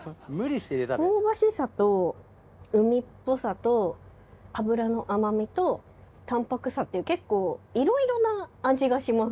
香ばしさと海っぽさと脂の甘みと淡泊さっていう結構いろいろな味がします。